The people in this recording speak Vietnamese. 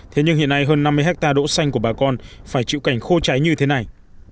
thế nhưng hiện nay hơn năm mươi hectare đỗ xanh của bà con phải chịu cảnh khô cháy như thế này